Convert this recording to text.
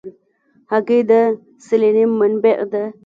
هګۍ د سلینیم منبع ده.